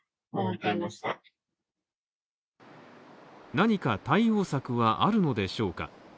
何か対応策はあるのでしょうか？